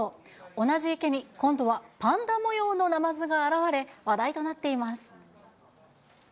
同じ池に、今度はパンダ模様のナマズが現れ、話題となっています。